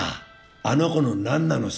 あの子の何なのさ？